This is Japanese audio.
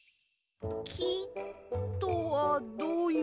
き？とはどういう？